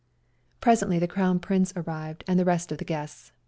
Presently the Crown Prince arrived and the rest of the guests.